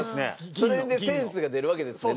それでセンスが出るわけですね。